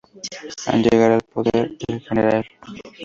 Al llegar al poder, el Gral.